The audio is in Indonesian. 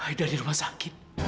aida di rumah sakit